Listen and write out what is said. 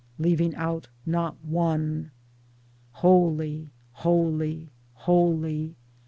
— leaving out not one. Holy! holy! holy!